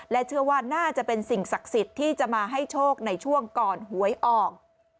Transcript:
เชื่อว่าน่าจะเป็นสิ่งศักดิ์สิทธิ์ที่จะมาให้โชคในช่วงก่อนหวยออก